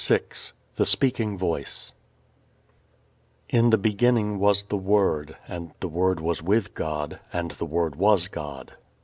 _ VI The Speaking Voice In the beginning was the Word, and the Word was with God, and the Word was God.